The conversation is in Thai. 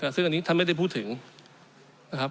ซึ่งอันนี้ท่านไม่ได้พูดถึงนะครับ